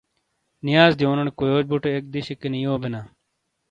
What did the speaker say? نِیاز دیونیڑے کویوچ بُٹے ایک دِشے کینی یو بینا۔